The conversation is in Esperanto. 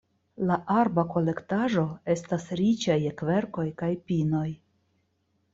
La arba kolektaĵo estas riĉa je kverkoj kaj pinoj.